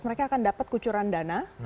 mereka akan dapat kucuran dana